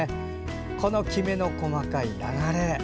この、きめの細かい流れ。